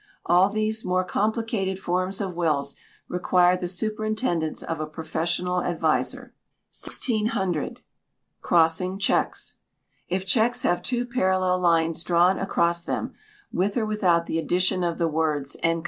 All these more complicated forms of wills require the superintendence of a professional adviser. 1600. Crossing Cheques. If cheques have two parallel lines drawn across them, with or without the addition of the words _"& Co.